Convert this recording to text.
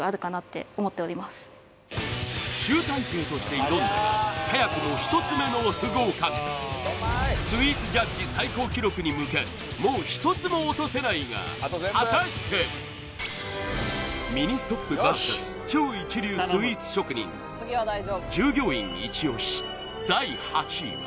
集大成として挑んだが早くも１つ目の不合格スイーツジャッジ最高記録に向けもう一つも落とせないが果たしてミニストップＶＳ超一流スイーツ職人従業員イチ押し第８位は